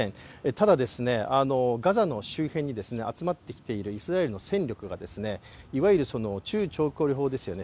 ただガザの周辺に集まってきているイスラエルの戦力がいわゆる中長距離砲ですよね。